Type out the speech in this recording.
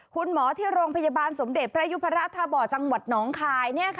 คุณหมอที่โรงพยาบาลสมเด็จพระยุพราชท่าบ่อจังหวัดน้องคาย